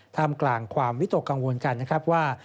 ทำกลางความวิตกกังวลกันนะครับว่า